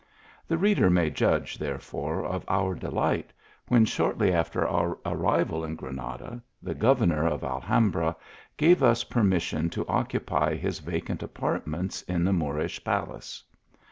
The reader may judge, therefore, of our delight, when, shortly after our ar rival in Granada, the governor of Alhambra gave us permission to occupy his vacant apartments in the Moorish palace.